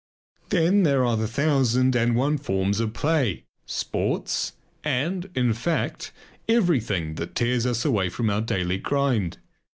Then there are the thousand and one forms of play; sports and in fact everything that tears us away from our daily grind.